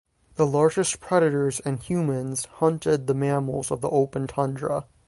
The largest predators and humans hunted the mammals of the open tundra.